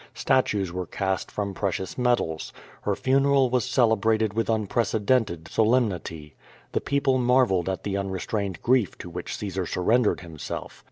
Statues were cast from precious metals. Her funeral was celebrated with unprecedented solemnity. The people marveled at the unrestrained grief to which Caesar surrendered himself.